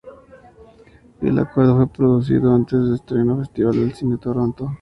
El acuerdo fue producido antes del estreno en el Festival de Cine de Toronto.